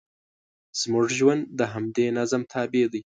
زموږ ژوند د همدې نظم تابع دی.